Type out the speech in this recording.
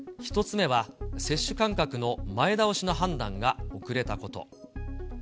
１つ目は接種間隔の前倒しの判断が遅れたこと。